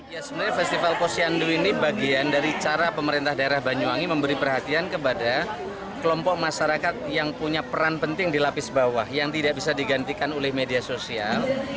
ya sebenarnya festival posyandu ini bagian dari cara pemerintah daerah banyuwangi memberi perhatian kepada kelompok masyarakat yang punya peran penting di lapis bawah yang tidak bisa digantikan oleh media sosial